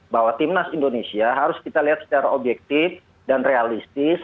bahwa timnas indonesia harus kita lihat secara objektif dan realistis